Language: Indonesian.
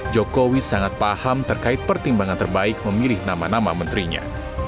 jokowi sangat paham terkait pertimbangan terbaik memilih nama nama menterinya